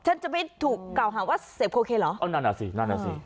ฉันจะไม่ถูกกล่าวหาว่าเสพโคเคนเหรอเอานั่นอ่ะสินั่นน่ะสิ